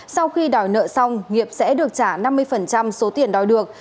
sau khi đòi nợ xong nghiệp sẽ được trả năm mươi số tiền đòi được